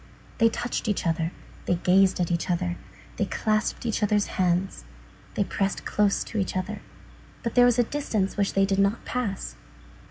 They touched each other, they gazed at each other, they clasped each other's hands, they pressed close to each other; but there was a distance which they did not pass.